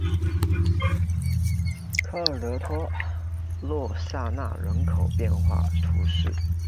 科尔德托洛萨纳人口变化图示